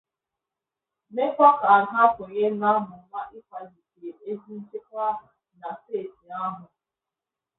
mekwa ka ha sonye n'amụma ịkwalite ezi nchekwa na steeti ahụ